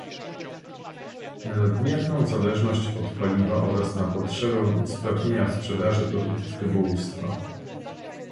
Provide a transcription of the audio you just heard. na nadmierną zależność od paliwa oraz na potrzebę usprawnienia sprzedaży produktów rybołówstwa